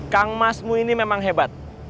kang masmu ini memang hebat